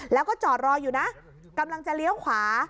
แล้วก็จอดรออยู่นะกำลังจะเลี้ยวขวา